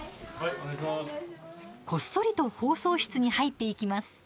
こっそりと放送室に入っていきます。